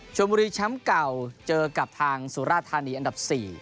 ชมบุรีแชมป์เก่าเจอกับทางสุราธานีอันดับ๔